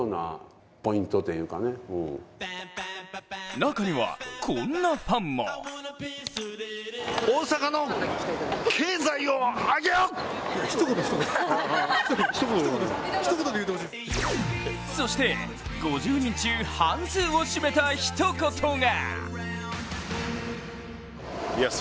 中にはこんなファンもそして、５０人中半数を占めたひと言が。